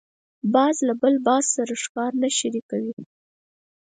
باز له بل باز سره ښکار نه شریکوي